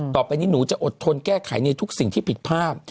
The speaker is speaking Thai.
ต่อไปนี้หนูจะอดทนแก้ไขในทุกสิ่งที่ผิดภาพ